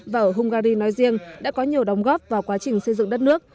và ở hungary nói riêng đã có nhiều đóng góp vào quá trình xây dựng đất nước